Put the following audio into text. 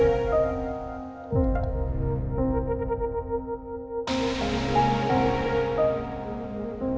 terima kasih bu